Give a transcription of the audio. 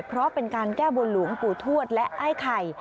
เพราะเป็นการแก้บนหลวงปู่ทวดและไอ้ไข่